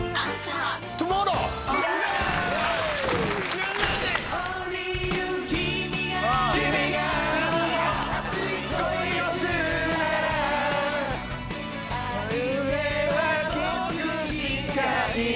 「相手は僕しかいない」